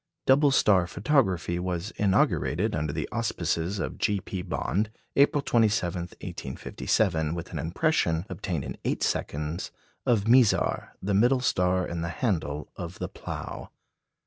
Double star photography was inaugurated under the auspices of G. P. Bond, April 27, 1857, with an impression, obtained in eight seconds, of Mizar, the middle star in the handle of the Plough.